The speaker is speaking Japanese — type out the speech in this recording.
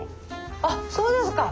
あっそうですか。